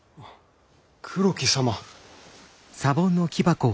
黒木様。